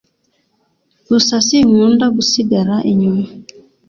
gusa sinkunda gusigara inyuma